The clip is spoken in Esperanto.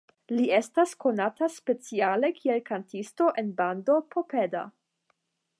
Li estas konata speciale kiel kantisto en bando Popeda.